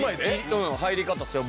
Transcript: うん入り方ですよ